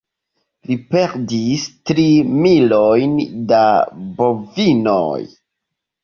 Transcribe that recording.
Li perdis tri milojn da bovinoj.